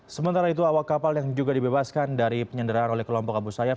sementara itu awak kapal yang juga dibebaskan dari penyanderaan oleh kelompok abu sayyaf